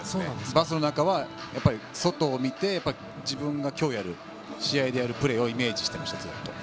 バスの中は、外を見て自分が今日やるプレーをイメージしていました。